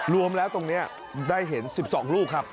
รวมแล้วตรงนี้ได้เห็น๑๒ลูกครับ